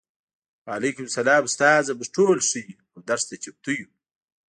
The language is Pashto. وعلیکم السلام استاده موږ ټول ښه یو او درس ته چمتو یو